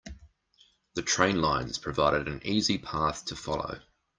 The train lines provided an easy path to follow.